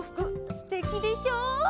すてきでしょう？